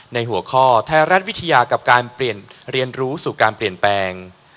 หัวข้อไทยรัฐวิทยากับการเปลี่ยนเรียนรู้สู่การเปลี่ยนแปลง